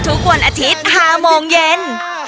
ทุกวันอาทิตย์๕โมงเย็น